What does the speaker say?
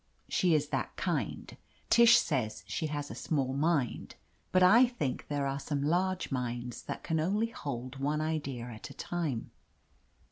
She is that kind. Tish says she has a small mind, but I think there are some large minds that can only hold one idea at a time.